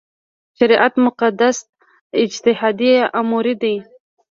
شریعت مقاصد اجتهادي امور دي.